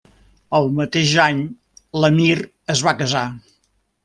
El mateix any l'emir es va casar.